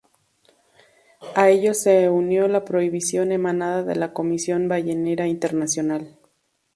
A ello se unió la prohibición emanada de la Comisión Ballenera Internacional.